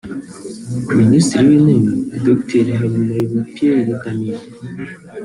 Minisitiri w’Intebe Dr Habumuremyi Pierre Damien